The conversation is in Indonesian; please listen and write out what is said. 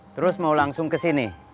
terus mau langsung ke sini